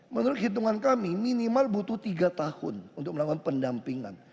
menurut hitungan kami minimal butuh tiga tahun untuk melakukan pendampingan